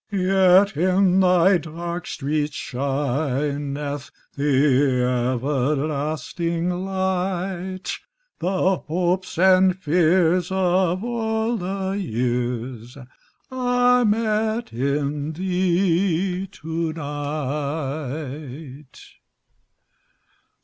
Yet in thy dark streets shineth The everlasting Light; The hopes and fears of all the years Are met in thee to night.